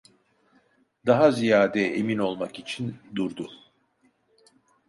Daha ziyade emin olmak için durdu.